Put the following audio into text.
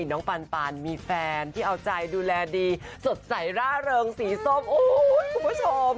น้องปันมีแฟนที่เอาใจดูแลดีสดใสร่าเริงสีส้มโอ้ยคุณผู้ชม